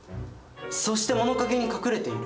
そして物陰に隠れている。